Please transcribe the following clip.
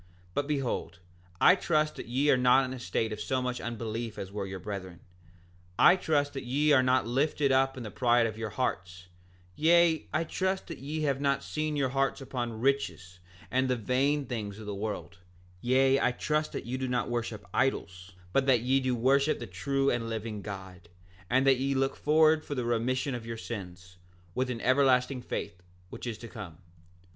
7:6 But behold, I trust that ye are not in a state of so much unbelief as were your brethren; I trust that ye are not lifted up in the pride of your hearts; yea, I trust that ye have not set your hearts upon riches and the vain things of the world; yea, I trust that you do not worship idols, but that ye do worship the true and living God, and that ye look forward for the remission of your sins, with an everlasting faith, which is to come.